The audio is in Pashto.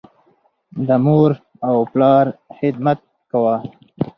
د مور او پلار خدمت کوه.